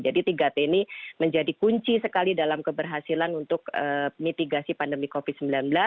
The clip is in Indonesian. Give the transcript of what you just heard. jadi tiga t ini menjadi kunci sekali dalam keberhasilan untuk mitigasi pandemi covid sembilan belas kemudian vaksin dan yang terakhir adalah sistem pelayanan kesehatan